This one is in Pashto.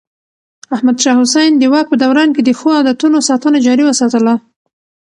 احمد شاه حسين د واک په دوران کې د ښو عادتونو ساتنه جاري وساتله.